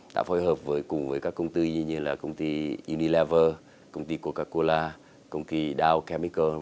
đã phối hợp cùng với các công ty như là công ty unilever công ty coca cola công ty dow chemicals